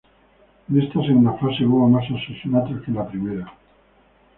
En esta segunda fase hubo más asesinatos que en la primera.